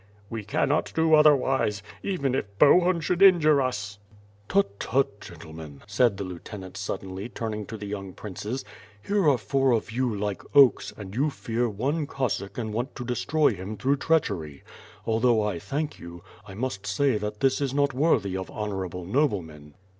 "We cannot do otherwise — even if Bohun should injure us." "Tut, tut! gentlemen," said the lieutenant buddenly, turn ing to the young princes, "here are four of you, like oaks, and you fear one Oossack and want to destroy him through treachery! Although I thank you, I must say that this is not worthy of honorable noblemen."